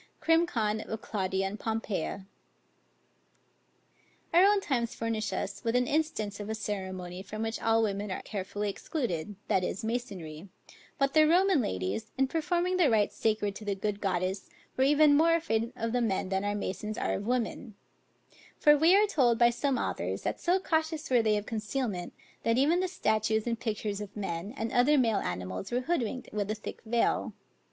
CRIM. CON. OF CLAUDIUS AND POMPEIA. Our own times furnish us with an instance of a ceremony from which all women are carefully excluded; but the Roman ladies, in performing the rites sacred to the good goddess, were even more afraid of the men than our masons are of women; for we are told by some authors, that so cautious were they of concealment, that even the statutes and pictures of men and other male animals were hood winked with a thick veil.